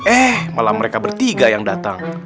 eh malah mereka bertiga yang datang